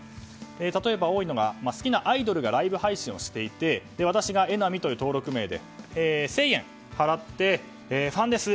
例えば、多いのが好きなアイドルがライブ配信をしていて私が榎並という登録名で１０００円払ってファンです！